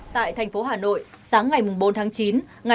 tại thành phố hà nội sáng ngày bốn tháng chín